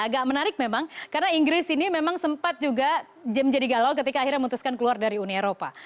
agak menarik memang karena inggris ini memang sempat juga menjadi galau ketika akhirnya memutuskan keluar dari uni eropa